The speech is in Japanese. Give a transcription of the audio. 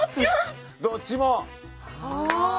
どっちも？